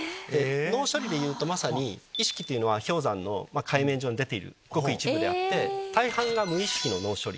脳処理でいうとまさに意識というのは氷山の海面上に出ているごく一部であって大半が無意識の脳処理。